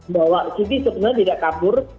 bahwa siti sebenarnya tidak kabur